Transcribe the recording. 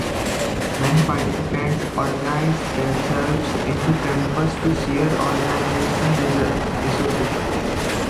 Many participants organise themselves into camps to share organisational resources.